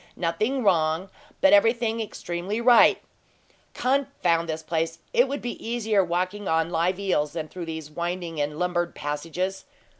"Nothing wrong, but everything extremely right. Confound this place! It would be easier walking on live eels than through these winding and lumbered passages.